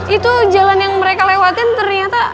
itu jalan yang mereka lewatin ternyata